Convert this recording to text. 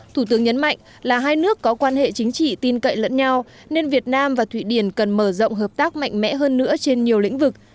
thủ tướng nhấn mạnh là hai nước có quan hệ chính trị tin cậy lẫn nhau nên việt nam và thụy điển cần mở rộng hợp tác mạnh mẽ hơn nữa trên nhiều lĩnh vực